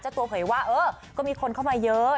แชทวะไขว่าก็มีคนเข้ามาเยอะ